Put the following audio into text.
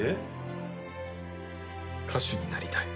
歌手になりたい。